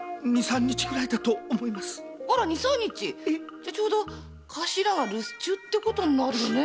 じゃちょうど頭が留守中ってことだねえ。